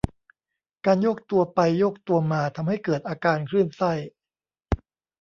การโยกตัวไปโยกตัวมาทำให้เกิดอาการคลื่นไส้